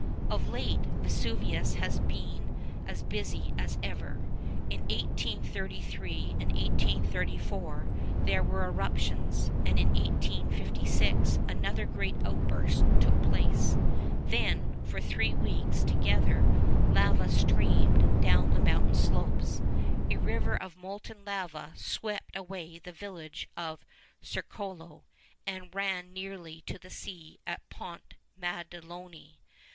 Of late, Vesuvius has been as busy as ever. In 1833 and 1834 there were eruptions; and in 1856 another great outburst took place. Then, for three weeks together, lava streamed down the mountain slopes. A river of molten lava swept away the village of Cercolo, and ran nearly to the sea at Ponte Maddaloni.